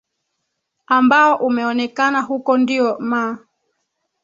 ambao umeonekana huko ndio ma